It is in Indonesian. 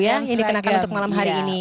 yang dikenakan untuk malam hari ini